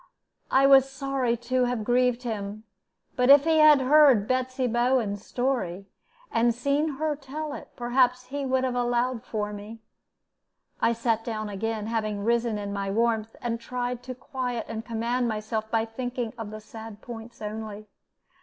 I was sorry to have grieved him; but if he had heard Betsy Bowen's story, and seen her tell it, perhaps he would have allowed for me. I sat down again, having risen in my warmth, and tried to quiet and command myself by thinking of the sad points only.